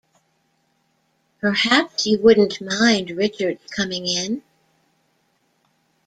Perhaps you wouldn't mind Richard's coming in?